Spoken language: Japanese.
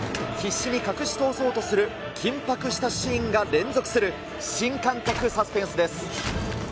必死に隠し通そうとする緊迫したシーンが連続する、新感覚サスペンスです。